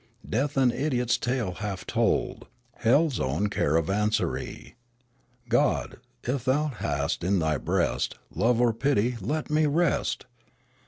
Death an idiot's tale half told, Hell's own caravansary. God, if thou hast in thy breast Love or pity, let me rest